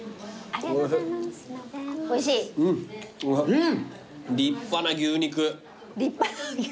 うん？